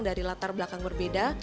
dari latar belakang berbeda